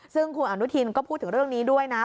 ซึ่งคุณอนุทินก็พูดถึงเรื่องนี้ด้วยนะ